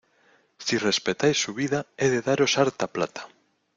¡ si respetáis su vida, he de daros harta plata!